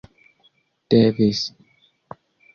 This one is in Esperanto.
devis